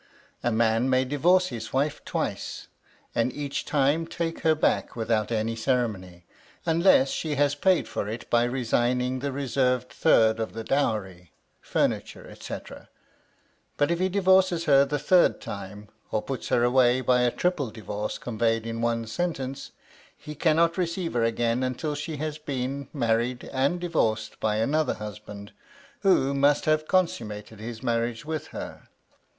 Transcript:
A man may divorce his wife twice, and each time take her back without any ceremony, unless she has paid for it by resigning the reserved third of the dowry, furniture, etc.; but if he divorces her the third time, or puts her away by a triple divorce conveyed in one sentence, he cannot receive her again until she has been, married and divorced by another husband, who must have consummated his marriage with her.